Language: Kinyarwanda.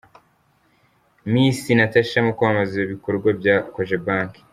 Misi Natasha mu kwamamaza ibikorwa bya kojebanke